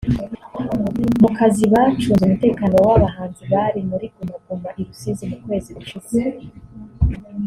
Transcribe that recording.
mu kazi bacunze umutekano w'abahanzi bari muri Guma Guma i Rusizi mu kwezi gushize